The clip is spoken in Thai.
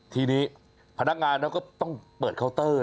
ทีนี้พนักงานเขาก็ต้องเปิดเคาน์เตอร์